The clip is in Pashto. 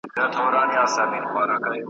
د سهارنسیم راوړی له خوږې مېني پیغام دی `